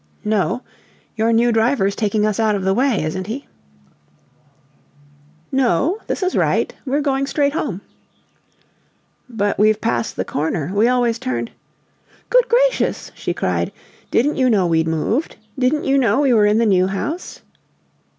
"No. Your new driver's taking us out of the way, isn't he?" "No. This is right. We're going straight home." "But we've passed the corner. We always turned " "Good gracious!" she cried. "Didn't you know we'd moved? Didn't you know we were in the New House?"